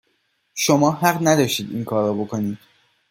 شما حق نداشتید اینکار رو بکنید